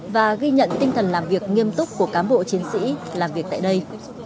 và ghi nhận tinh thần làm việc nghiêm túc của cám bộ chiến sĩ làm việc tại đây